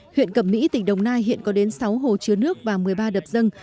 huyện cẩm mỹ tỉnh đồng nai hiện có đến sáu hồ chứa nước và một mươi ba đập dân